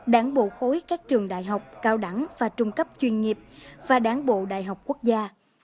đảng bộ khối các trường đại học cao đẳng và trung cấp chuyên nghiệp và đáng bộ đại học quốc gia